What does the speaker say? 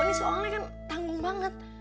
ini soalnya kan tanggung banget